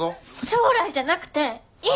将来じゃなくて今！